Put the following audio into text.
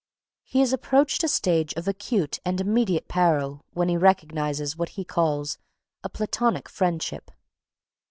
He has approached a stage of acute and immediate peril when he recognises what he calls "a platonic friendship."